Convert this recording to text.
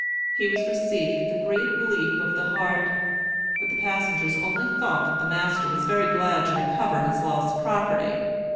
He was received with a great leap of the heart; but the passengers only thought that the master was very glad to recover his lost property.